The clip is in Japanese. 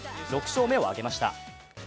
６勝目を挙げました。